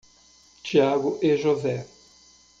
Thiago e José.